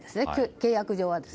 契約上は。